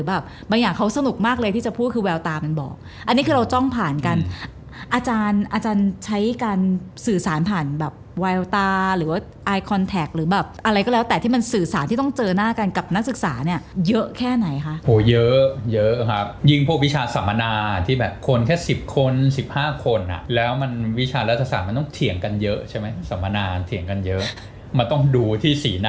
อาจารย์อาจารย์ใช้การสื่อสารผ่านแบบไวล์ตาหรือว่าไอคอนแทคหรือแบบอะไรก็แล้วแต่ที่มันสื่อสารที่ต้องเจอหน้ากันกับนักศึกษาเนี้ยเยอะแค่ไหนคะโหเยอะเยอะครับยิ่งพวกวิชาสามนาที่แบบคนแค่สิบคนสิบห้าคนอ่ะแล้วมันวิชารัฐศาสตร์มันต้องเถียงกันเยอะใช่ไหมสามนาทเถียงกันเยอะมันต้